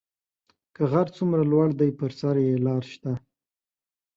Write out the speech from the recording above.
که غر څومره لوړ دی پر سر یې لار شته